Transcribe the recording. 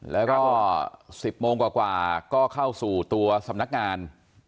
แล้วก็๑๐โมงกว่าก็เข้าสู่ตัวสำนักงาน